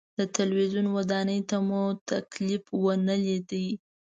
د تلویزیون ودانۍ ته مو تکلیف ونه لید.